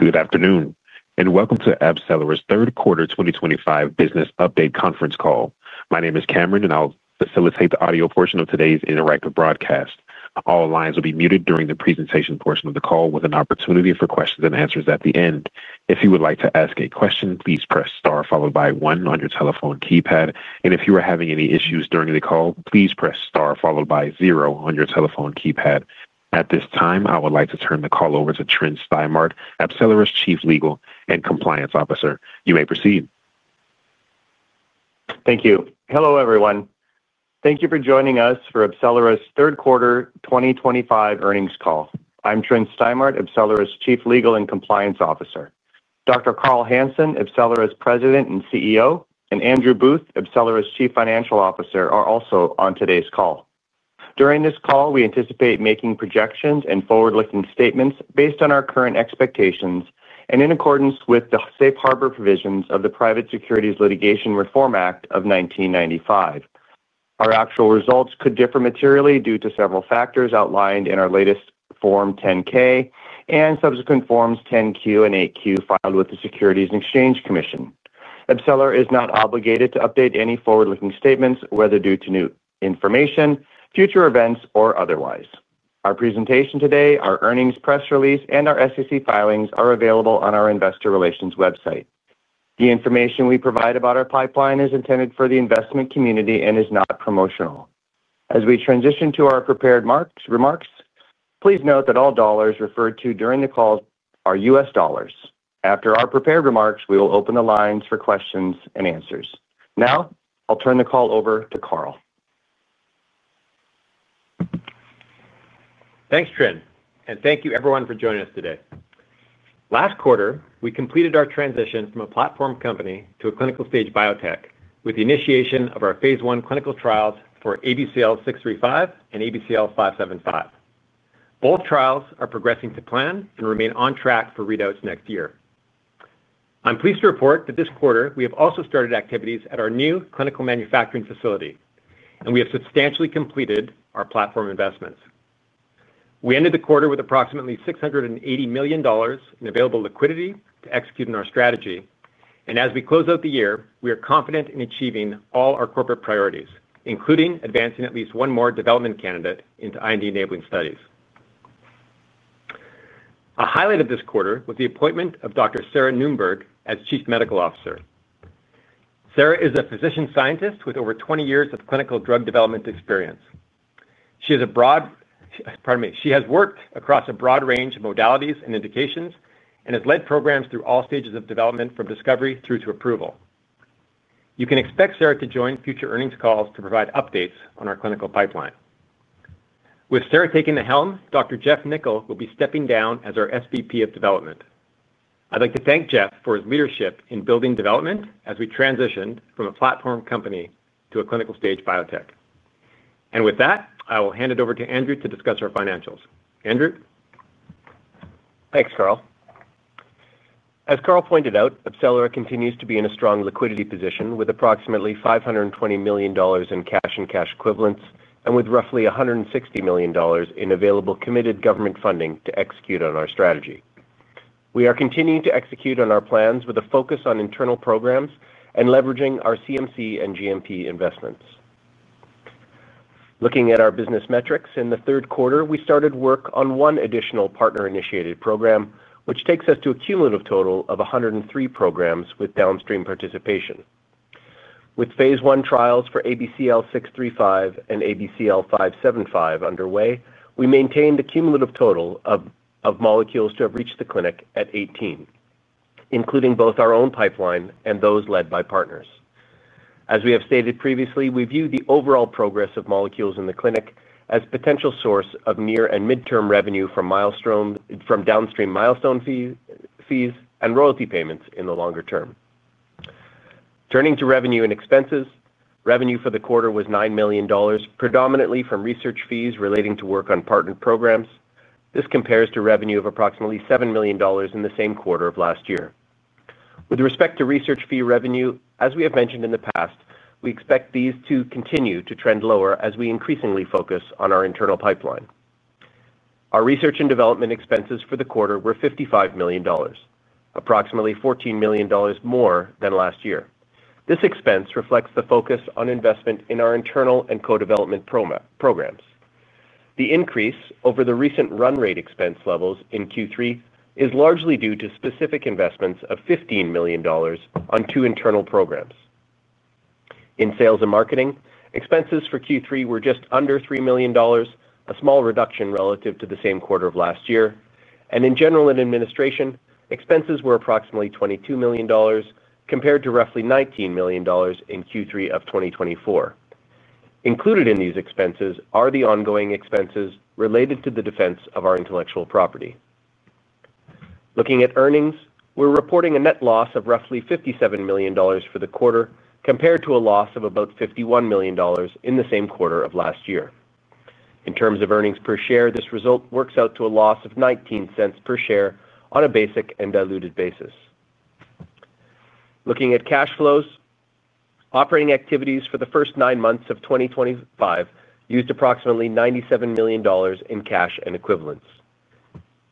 Good afternoon, and welcome to AbCellera's Third Quarter 2025 Business Update Conference Call. My name is Cameron, and I'll facilitate the audio portion of today's interactive broadcast. All lines will be muted during the presentation portion of the call, with an opportunity for questions and answers at the end. If you would like to ask a question, please press star followed by one on your telephone keypad, and if you are having any issues during the call, please press star followed by zero on your telephone keypad. At this time, I would like to turn the call over to Tryn Stimart, AbCellera's Chief Legal and Compliance Officer. You may proceed. Thank you. Hello, everyone. Thank you for joining us for AbCellera's third quarter 2025 earnings call. I'm Tryn Stimart, AbCellera's Chief Legal and Compliance Officer. Dr. Carl Hansen, AbCellera's President and CEO, and Andrew Booth, AbCellera's Chief Financial Officer, are also on today's call. During this call, we anticipate making projections and forward-looking statements based on our current expectations and in accordance with the Safe Harbor provisions of the Private Securities Litigation Reform Act of 1995. Our actual results could differ materially due to several factors outlined in our latest Form 10-K and subsequent Forms 10-Q and 8-K filed with the Securities and Exchange Commission. AbCellera is not obligated to update any forward-looking statements, whether due to new information, future events, or otherwise. Our presentation today, our earnings press release, and our SEC filings are available on our Investor Relations website. The information we provide about our pipeline is intended for the investment community and is not promotional. As we transition to our prepared remarks, please note that all dollars referred to during the call are U.S. dollars. After our prepared remarks, we will open the lines for questions and answers. Now, I'll turn the call over to Carl. Thanks, Tryn, and thank you, everyone, for joining us today. Last quarter, we completed our transition from a platform company to a clinical-stage biotech with the initiation of our phase I clinical trials for ABCL 635 and ABCL 575. Both trials are progressing to plan and remain on track for readouts next year. I'm pleased to report that this quarter, we have also started activities at our new clinical manufacturing facility, and we have substantially completed our platform investments. We ended the quarter with approximately $680 million in available liquidity to execute on our strategy, and as we close out the year, we are confident in achieving all our corporate priorities, including advancing at least one more development candidate into IND enabling studies. A highlight of this quarter was the appointment of Dr. Sarah Nunberg as Chief Medical Officer. Sarah is a physician scientist with over 20 years of clinical drug development experience. She has a broad—pardon me—she has worked across a broad range of modalities and indications and has led programs through all stages of development, from discovery through to approval. You can expect Sarah to join future earnings calls to provide updates on our clinical pipeline. With Sarah taking the helm, Dr. Jeff Nickel will be stepping down as our SVP of Development. I'd like to thank Jeff for his leadership in building development as we transitioned from a platform company to a clinical-stage biotech. With that, I will hand it over to Andrew to discuss our financials. Andrew? Thanks, Carl. As Carl pointed out, AbCellera continues to be in a strong liquidity position with approximately $520 million in cash and cash equivalents and with roughly $160 million in available committed government funding to execute on our strategy. We are continuing to execute on our plans with a focus on internal programs and leveraging our CMC and GMP investments. Looking at our business metrics, in the third quarter, we started work on one additional partner-initiated program, which takes us to a cumulative total of 103 programs with downstream participation. With phase I trials for ABCL 635 and ABCL 575 underway, we maintained a cumulative total of molecules to have reached the clinic at 18, including both our own pipeline and those led by partners. As we have stated previously, we view the overall progress of molecules in the clinic as a potential source of near and mid-term revenue. Downstream milestone fees and royalty payments in the longer term. Turning to revenue and expenses, revenue for the quarter was $9 million, predominantly from research fees relating to work on partnered programs. This compares to revenue of approximately $7 million in the same quarter of last year. With respect to research fee revenue, as we have mentioned in the past, we expect these to continue to trend lower as we increasingly focus on our internal pipeline. Our research and development expenses for the quarter were $55 million, approximately $14 million more than last year. This expense reflects the focus on investment in our internal and co-development programs. The increase over the recent run-rate expense levels in Q3 is largely due to specific investments of $15 million on two internal programs. In sales and marketing, expenses for Q3 were just under $3 million, a small reduction relative to the same quarter of last year. In general administration, expenses were approximately $22 million, compared to roughly $19 million in Q3 of 2024. Included in these expenses are the ongoing expenses related to the defense of our intellectual property. Looking at earnings, we're reporting a net loss of roughly $57 million for the quarter, compared to a loss of about $51 million in the same quarter of last year. In terms of earnings per share, this result works out to a loss of $0.19 per share on a basic and diluted basis. Looking at cash flows, operating activities for the first nine months of 2025 used approximately $97 million in cash and equivalents.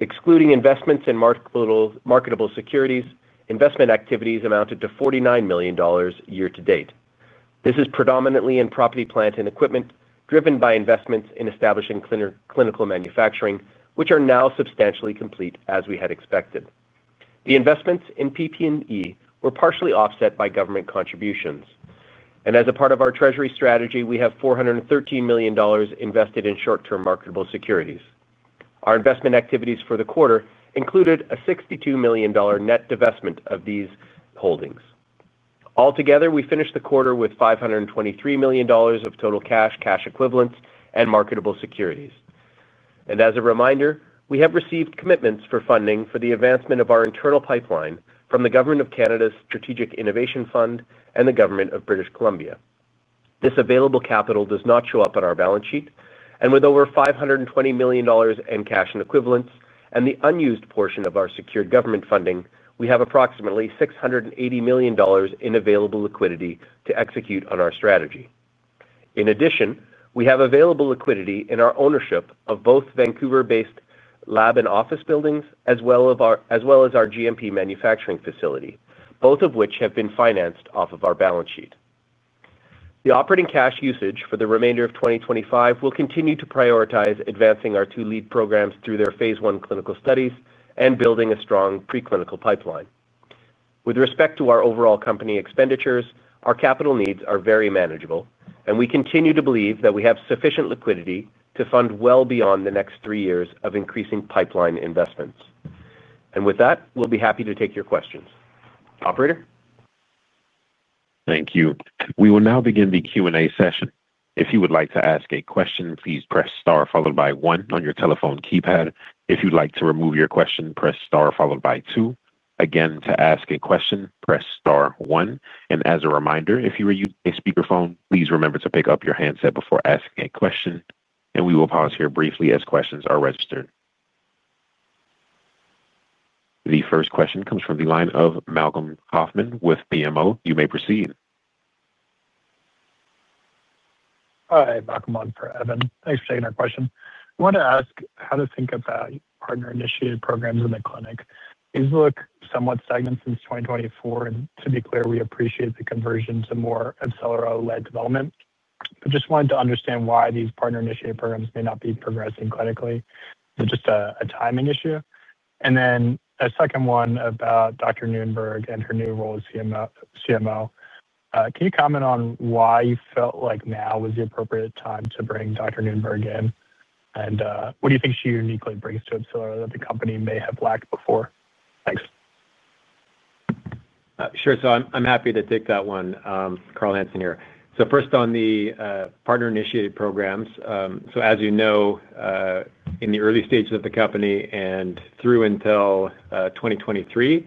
Excluding investments in marketable securities, investment activities amounted to $49 million year to date. This is predominantly in property, plant, and equipment, driven by investments in establishing clinical manufacturing, which are now substantially complete as we had expected. The investments in PP&E were partially offset by government contributions. As a part of our Treasury strategy, we have $413 million invested in short-term marketable securities. Our investment activities for the quarter included a $62 million net divestment of these holdings. Altogether, we finished the quarter with $523 million of total cash, cash equivalents, and marketable securities. As a reminder, we have received commitments for funding for the advancement of our internal pipeline from the Government of Canada's Strategic Innovation Fund and the Government of British Columbia. This available capital does not show up on our balance sheet, and with over $520 million in cash and equivalents and the unused portion of our secured government funding, we have approximately $680 million in available liquidity to execute on our strategy. In addition, we have available liquidity in our ownership of both Vancouver-based lab and office buildings, as well as our GMP manufacturing facility, both of which have been financed off of our balance sheet. The operating cash usage for the remainder of 2025 will continue to prioritize advancing our two lead programs through their phase I clinical studies and building a strong pre-clinical pipeline. With respect to our overall company expenditures, our capital needs are very manageable, and we continue to believe that we have sufficient liquidity to fund well beyond the next three years of increasing pipeline investments. We will be happy to take your questions. Operator? Thank you. We will now begin the Q&A session. If you would like to ask a question, please press star followed by one on your telephone keypad. If you'd like to remove your question, press star followed by two. Again, to ask a question, press star one. As a reminder, if you are using a speakerphone, please remember to pick up your handset before asking a question. We will pause here briefly as questions are registered. The first question comes from the line of Malcolm Hoffman with BMO. You may proceed. Hi, Malcolm Hoffman for Evan. Thanks for taking our question. I wanted to ask how to think about partner-initiated programs in the clinic. These look somewhat stagnant since 2024, and to be clear, we appreciate the conversion to more AbCellera-led development. I just wanted to understand why these partner-initiated programs may not be progressing clinically. Is it just a timing issue? A second one about Dr. Nunberg and her new role as CMO. Can you comment on why you felt like now was the appropriate time to bring Dr. Nunberg in? What do you think she uniquely brings to AbCellera that the company may have lacked before? Thanks. Sure. So I'm happy to take that one. Carl Hansen here. First, on the partner-initiated programs, as you know, in the early stages of the company and through until 2023,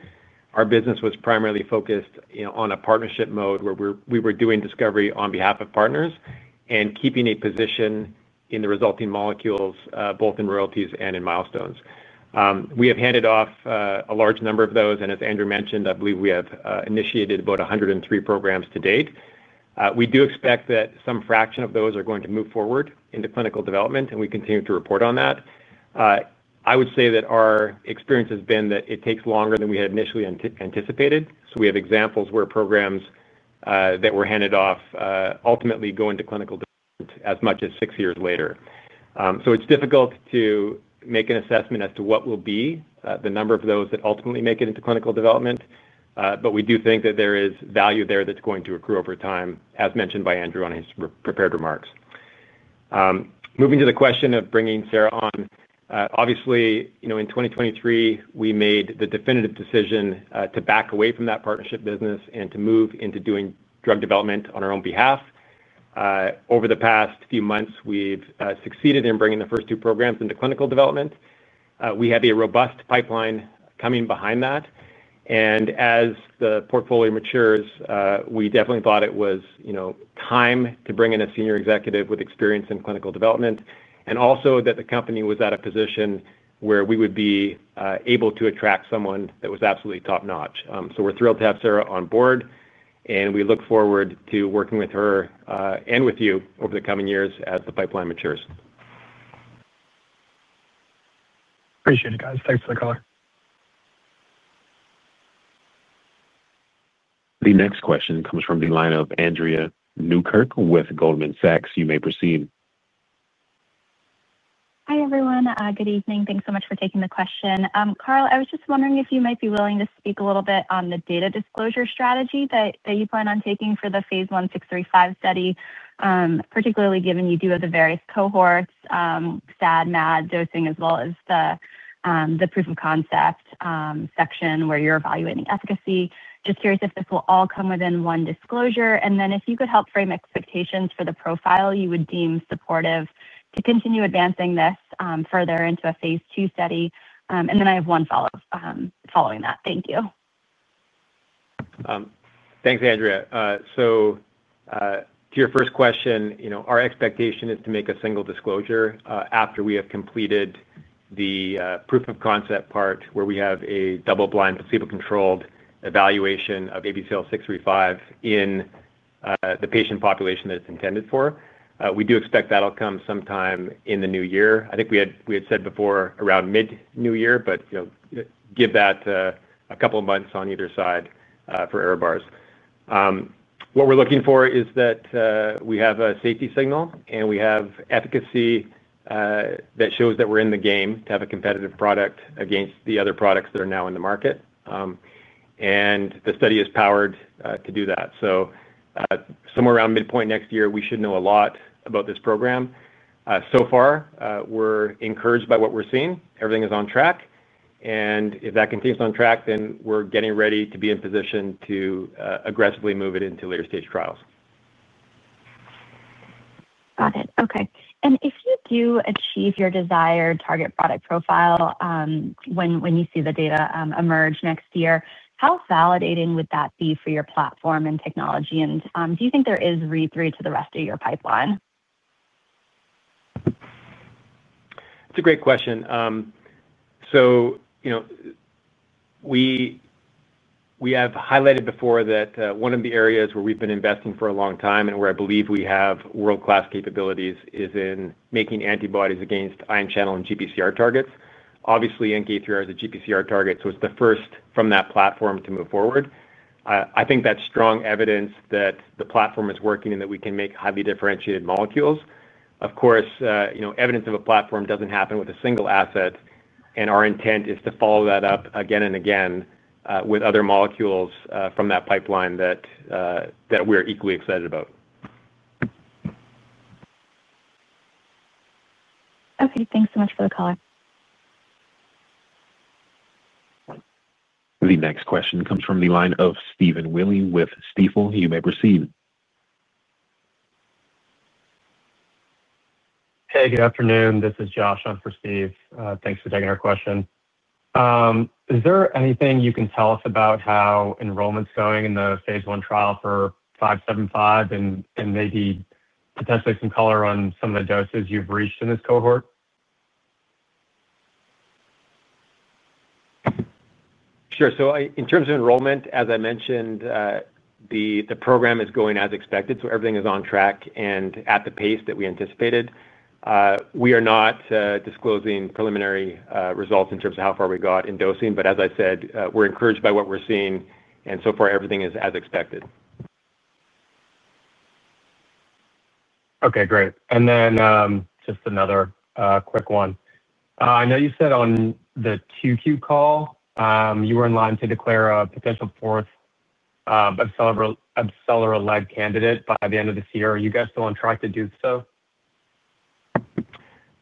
our business was primarily focused on a partnership mode where we were doing discovery on behalf of partners and keeping a position in the resulting molecules, both in royalties and in milestones. We have handed off a large number of those, and as Andrew mentioned, I believe we have initiated about 103 programs to date. We do expect that some fraction of those are going to move forward into clinical development, and we continue to report on that. I would say that our experience has been that it takes longer than we had initially anticipated. We have examples where programs that were handed off ultimately go into clinical development as much as six years later. It's difficult to make an assessment as to what will be the number of those that ultimately make it into clinical development, but we do think that there is value there that's going to accrue over time, as mentioned by Andrew on his prepared remarks. Moving to the question of bringing Sarah on, obviously, in 2023, we made the definitive decision to back away from that partnership business and to move into doing drug development on our own behalf. Over the past few months, we've succeeded in bringing the first two programs into clinical development. We have a robust pipeline coming behind that. As the portfolio matures, we definitely thought it was time to bring in a senior executive with experience in clinical development and also that the company was at a position where we would be able to attract someone that was absolutely top-notch. We're thrilled to have Sarah on board, and we look forward to working with her and with you over the coming years as the pipeline matures. Appreciate it, guys. Thanks for the call. The next question comes from the line of Andrea Newkirk with Goldman Sachs. You may proceed. Hi, everyone. Good evening. Thanks so much for taking the question. Carl, I was just wondering if you might be willing to speak a little bit on the data disclosure strategy that you plan on taking for the phase I 635 study, particularly given you do have the various cohorts, SAD, MAD, dosing, as well as the proof of concept section where you're evaluating efficacy. Just curious if this will all come within one disclosure, and then if you could help frame expectations for the profile you would deem supportive to continue advancing this further into a phase II study. I have one follow-up following that. Thank you. Thanks, Andrea. To your first question, our expectation is to make a single disclosure after we have completed the proof of concept part where we have a double-blind, placebo-controlled evaluation of ABCL 635 in the patient population that it's intended for. We do expect that'll come sometime in the new year. I think we had said before around mid-new year, but give that a couple of months on either side for error bars. What we're looking for is that we have a safety signal and we have efficacy that shows that we're in the game to have a competitive product against the other products that are now in the market. The study is powered to do that. Somewhere around midpoint next year, we should know a lot about this program. So far, we're encouraged by what we're seeing. Everything is on track. If that continues on track, then we're getting ready to be in position to aggressively move it into later stage trials. Got it. Okay. And if you do achieve your desired target product profile, when you see the data emerge next year, how validating would that be for your platform and technology? And do you think there is re-through to the rest of your pipeline? It's a great question. We have highlighted before that one of the areas where we've been investing for a long time and where I believe we have world-class capabilities is in making antibodies against ion channel and GPCR targets. Obviously, NK3R is a GPCR target, so it's the first from that platform to move forward. I think that's strong evidence that the platform is working and that we can make highly differentiated molecules. Of course, evidence of a platform doesn't happen with a single asset, and our intent is to follow that up again and again with other molecules from that pipeline that we are equally excited about. Okay. Thanks so much for the call. The next question comes from the line of Stephen Willie with Stifel. You may proceed. Hey, good afternoon. This is Josh on for Steve. Thanks for taking our question. Is there anything you can tell us about how enrollment's going in the phase I trial for 575 and maybe potentially some color on some of the doses you've reached in this cohort? Sure. In terms of enrollment, as I mentioned, the program is going as expected, so everything is on track and at the pace that we anticipated. We are not disclosing preliminary results in terms of how far we got in dosing, but as I said, we're encouraged by what we're seeing, and so far, everything is as expected. Okay. Great. Just another quick one. I know you said on the Q2 call, you were in line to declare a potential fourth AbCellera-led candidate by the end of this year. Are you guys still on track to do so?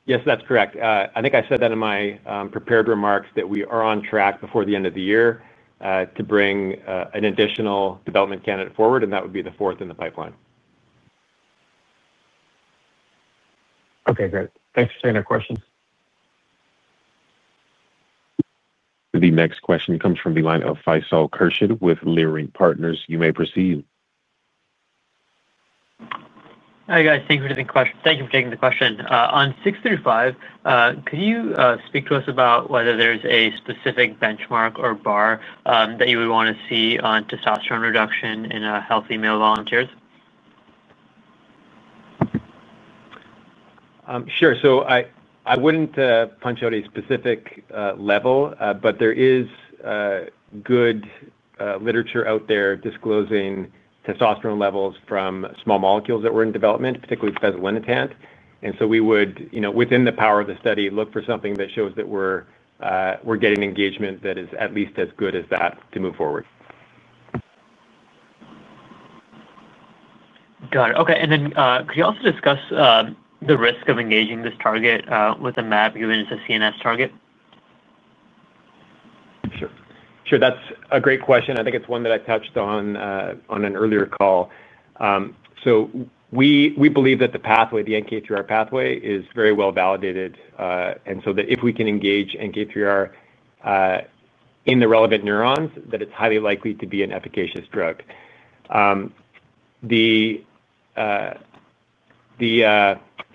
Yes, that's correct. I think I said that in my prepared remarks that we are on track before the end of the year to bring an additional development candidate forward, and that would be the fourth in the pipeline. Okay. Great. Thanks for taking our questions. The next question comes from the line of Faisal Kershid with Leerink Partners. You may proceed. Hi, guys. Thank you for taking the question. On 635, could you speak to us about whether there's a specific benchmark or bar that you would want to see on testosterone reduction in healthy male volunteers? Sure. I would not punch out a specific level, but there is good literature out there disclosing testosterone levels from small molecules that were in development, particularly fezolinetant. We would, within the power of the study, look for something that shows that we are getting engagement that is at least as good as that to move forward. Got it. Okay. Could you also discuss the risk of engaging this target with a MAB given it's a CNS target? Sure. Sure. That's a great question. I think it's one that I touched on on an earlier call. We believe that the pathway, the NK3R pathway, is very well validated. We believe that if we can engage NK3R in the relevant neurons, that it's highly likely to be an efficacious drug.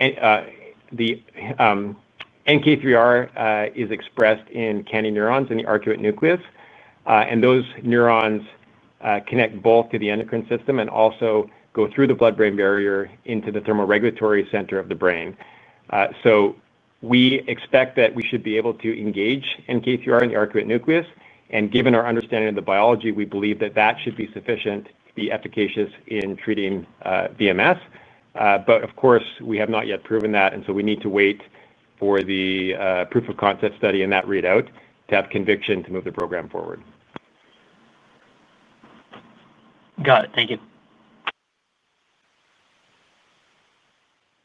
NK3R is expressed in KNDy neurons in the arcuate nucleus. Those neurons connect both to the endocrine system and also go through the blood-brain barrier into the thermoregulatory center of the brain. We expect that we should be able to engage NK3R in the arcuate nucleus. Given our understanding of the biology, we believe that that should be sufficient to be efficacious in treating VMS. Of course, we have not yet proven that, and so we need to wait for the proof of concept study and that readout to have conviction to move the program forward. Got it. Thank you.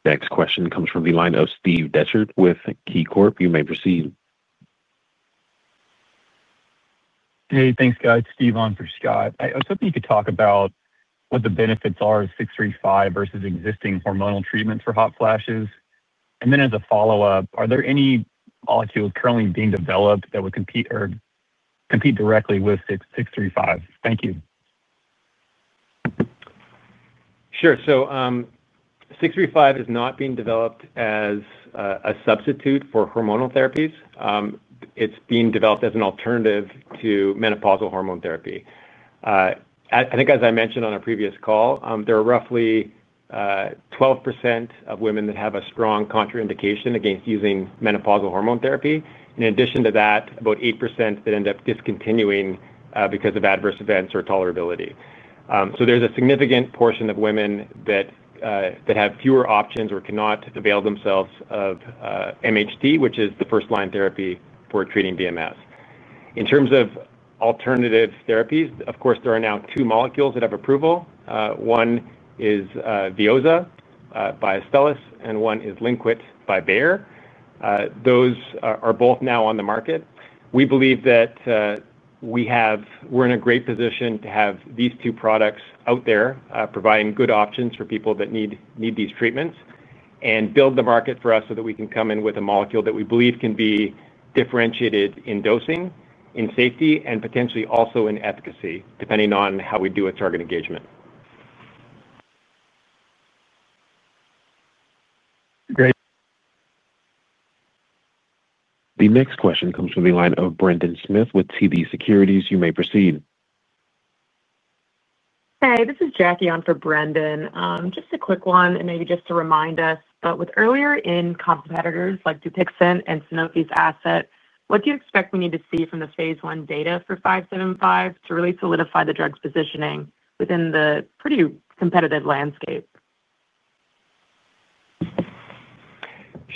Next question comes from the line of Steve Dechert with KeyBanc Capital Markets. You may proceed. Hey, thanks, guys. Steven on for Scott. I was hoping you could talk about what the benefits are of 635 versus existing hormonal treatments for hot flashes. As a follow-up, are there any molecules currently being developed that would compete directly with 635? Thank you. Sure. 635 is not being developed as a substitute for hormonal therapies. It's being developed as an alternative to menopausal hormone therapy. I think, as I mentioned on a previous call, there are roughly 12% of women that have a strong contraindication against using menopausal hormone therapy. In addition to that, about 8% that end up discontinuing because of adverse events or tolerability. There is a significant portion of women that have fewer options or cannot avail themselves of MHT, which is the first-line therapy for treating VMS. In terms of alternative therapies, of course, there are now two molecules that have approval. One is Veozah by Astellas Pharma, and one is elinzanetant by Bayer. Those are both now on the market. We believe that. We're in a great position to have these two products out there providing good options for people that need these treatments and build the market for us so that we can come in with a molecule that we believe can be differentiated in dosing, in safety, and potentially also in efficacy, depending on how we do a target engagement. Great. The next question comes from the line of Brendan Smith with TD Securities. You may proceed. Hey, this is Jackie on for Brendan. Just a quick one and maybe just to remind us, but with earlier in competitors like Dupixent and Sanofi's asset, what do you expect we need to see from the phase I data for 575 to really solidify the drug's positioning within the pretty competitive landscape?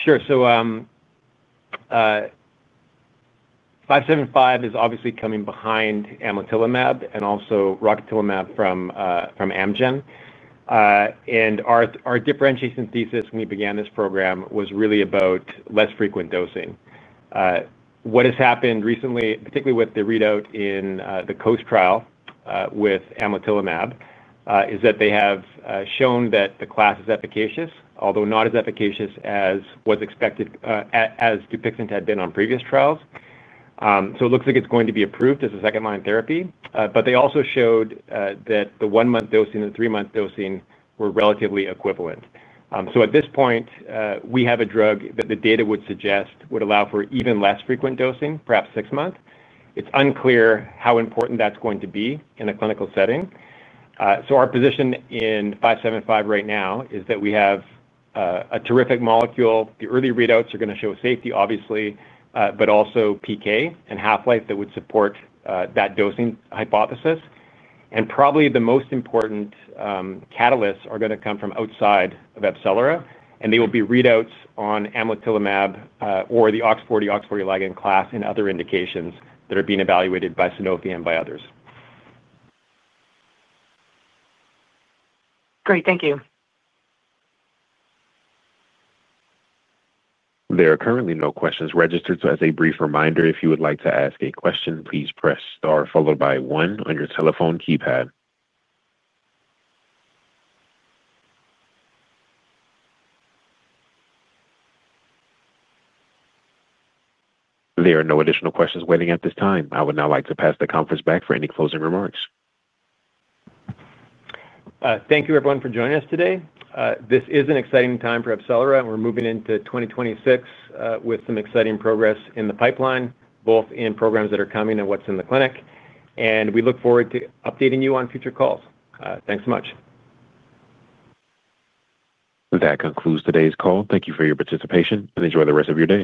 Sure. 575 is obviously coming behind Amlatilimab and also Rocatilimab from Amgen. Our differentiation thesis when we began this program was really about less frequent dosing. What has happened recently, particularly with the readout in the Coast trial with Amlatilimab, is that they have shown that the class is efficacious, although not as efficacious as was expected. As Dupixent had been on previous trials. It looks like it is going to be approved as a second-line therapy. They also showed that the one-month dosing and the three-month dosing were relatively equivalent. At this point, we have a drug that the data would suggest would allow for even less frequent dosing, perhaps six months. It is unclear how important that is going to be in a clinical setting. Our position in 575 right now is that we have a terrific molecule. The early readouts are going to show safety, obviously, but also PK and half-life that would support that dosing hypothesis. Probably the most important catalysts are going to come from outside of AbCellera. They will be readouts on Amlatilimab or the OX40, OX40 ligand class and other indications that are being evaluated by Sanofi and by others. Great. Thank you. There are currently no questions registered. As a brief reminder, if you would like to ask a question, please press star followed by one on your telephone keypad. There are no additional questions waiting at this time. I would now like to pass the conference back for any closing remarks. Thank you, everyone, for joining us today. This is an exciting time for AbCellera, and we're moving into 2026 with some exciting progress in the pipeline, both in programs that are coming and what's in the clinic. We look forward to updating you on future calls. Thanks so much. That concludes today's call. Thank you for your participation and enjoy the rest of your day.